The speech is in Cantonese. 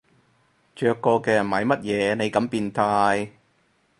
着過嘅買乜嘢你咁變態